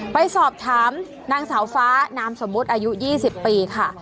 ไปสอบถามนางสาวฟ้านามสมมุติอายุ๒๐ปีค่ะ